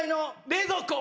冷蔵庫。